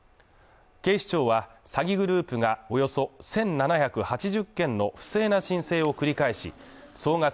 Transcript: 警視庁は詐欺グループがおよそ１７８０件の不正な申請を繰り返し総額